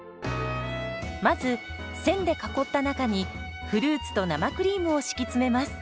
まず線で囲った中にフルーツと生クリームを敷き詰めます。